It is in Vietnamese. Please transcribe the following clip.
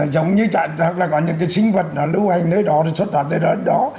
giống như chẳng hạn là có những cái sinh vật nó lưu hành nơi đó rồi xuất phát tại nơi đó